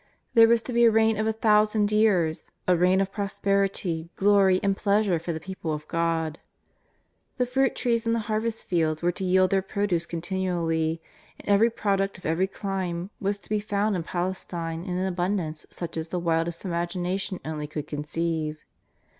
There was to be a reign of a thousand years, a reign of prosperity, glory and pleasure for the people of God. The fruit trees and the harvest fields were to yield their produce con tinually, and every product of every clime was to be found in Palestine in an abundance such as the wildest imagination only could conceive.